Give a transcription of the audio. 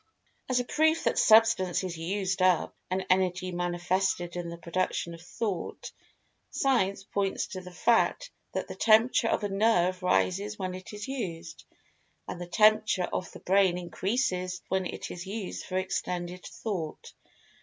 As a proof that Substance is "used up," and Energy manifested in the production of Thought, Science points to the fact that the temperature of a nerve rises when it is used, and the temperature of the Brain increases when it is used for extended Thought.